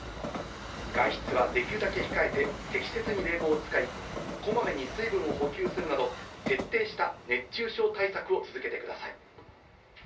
外出はできるだけ控えて、適切に冷房を使い、こまめに水分を補給するなど、徹底した熱中症対策を続けてください。